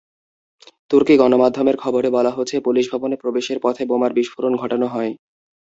তুর্কি গণমাধ্যমের খবরে বলা হচ্ছে, পুলিশ ভবনে প্রবেশের পথে বোমার বিস্ফোরণ ঘটানো হয়।